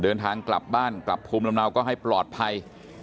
เดินทางกลับบ้านกลับภูมิลำเนาก็ให้ปลอดภัย